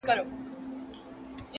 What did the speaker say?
نه ژغورلو ته دوستان مي سوای راتللای -